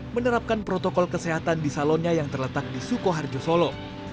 menerapkan protokol kesehatan di salonnya yang terletak di sukoharjo solo